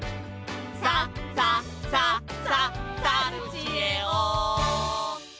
「さ・さ・さ・ささるちえお」